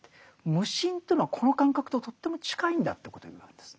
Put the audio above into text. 無心というのはこの感覚ととっても近いんだということを言うわけです。